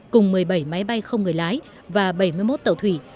cùng một mươi bảy máy bay không người lái và bảy mươi một tàu thủy